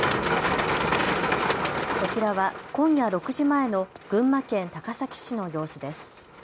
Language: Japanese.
こちらは今夜６時前の群馬県高崎市の様子です。